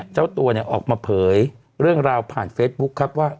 เจ้าตัวเนี่ยออกมาเผยเรื่องราวผ่านเฟซบุ๊คครับว่า